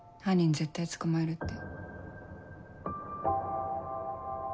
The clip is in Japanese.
絶対捕まえるって。